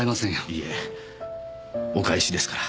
いえお返しですから。